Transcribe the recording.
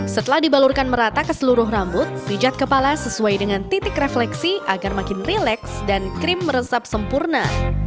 setelah dibalurkan merata ke seluruh rambut pijat kepala sesuai dengan titik refleksi agar makin rileks dan krim meresap sempurna